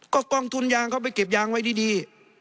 ก็กองทุนยางเข้าไปเก็บยางไว้ดี